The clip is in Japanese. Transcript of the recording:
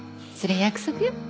それ約束よ。